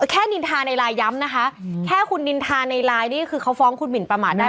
แค่นินทาในไลน์ย้ำนะคะแค่คุณนินทาในไลน์นี่คือเขาฟ้องคุณหมินประมาทได้